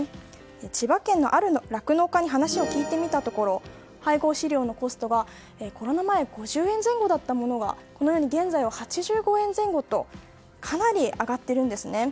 千葉県のある酪農家の話を聞いてみたところ配合飼料のコストはコロナ前５０円前後だったものが現在は８５円前後とかなり上がっているんですね。